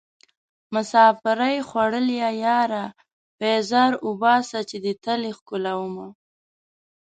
مسافرۍ خوړليه ياره پيزار اوباسه چې دې تلې ښکلومه